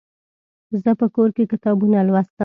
زه په کور کې کتابونه لوستم.